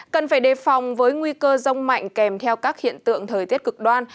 cần phải đề phòng với nguy cơ rông mạnh kèm theo các hiện tượng thời tiết cực đoan